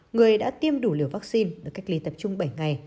người đã tiêm đủ liều vaccine được cách ly tập trung bảy ngày